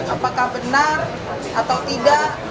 apakah benar atau tidak